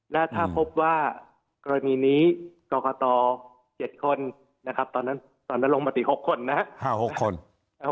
และถ้าพบว่ากรมีนี้กรกต๗คนนะครับตอนนั้นลงมาตรี๖คนนะครับ